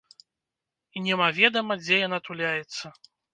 І немаведама, дзе яна туляецца.